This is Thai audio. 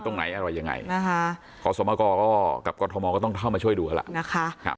ตรงไหนอะไรยังไงนะคะขอสมกรก็กับกรทมก็ต้องเข้ามาช่วยดูแล้วล่ะนะคะ